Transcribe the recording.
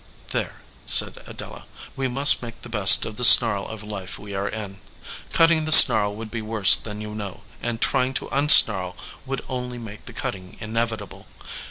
"There," said Adela, "we must make 258 THE SOLDIER MAN the best of the snarl of life we are in. Cutting the snarl would be worse than you know, and try ing to unsnarl would only make the cutting inevi table.